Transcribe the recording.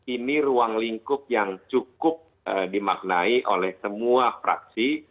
ini ruang lingkup yang cukup dimaknai oleh semua fraksi